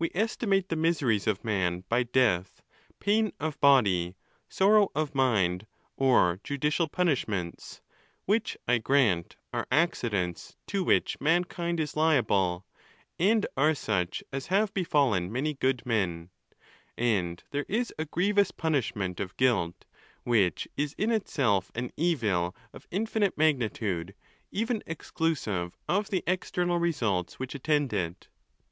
We estimate the miseries of man by death, pain of body, sorrow of mind, or judicial punishments, which, I grant, are accidents to which mankind is liable, and are such as have befallen many good men; and there is a grievous punishment of guilt, which is in itself an evil of in finite magnitude, even exclusive of the external results which attend it.